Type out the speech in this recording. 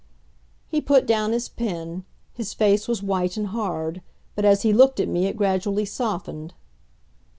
He put down his pen. His face was white and hard, but as he looked at me it gradually softened.